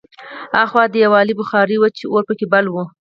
هاخوا دېوالي بخارۍ وه چې اور پکې بل و